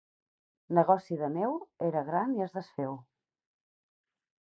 Negoci de neu, era gran i es desfeu.